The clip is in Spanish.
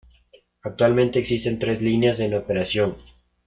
Actualmente, existen tres líneas en operación.